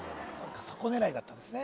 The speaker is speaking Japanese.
そこ狙いだったんですね